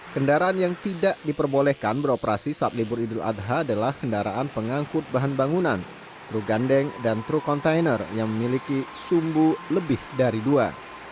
kendaraan yang tidak diperbolehkan beroperasi saat libur idul adha adalah kendaraan pengangkut bahan bangunan truk gandeng dan truk kontainer yang memiliki sumbu lebih dari dua